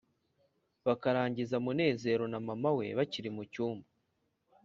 bakarangiza Munezero na mama we bakiri mu cyumba.